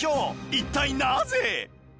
一体なぜ？